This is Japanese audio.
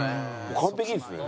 完璧ですね。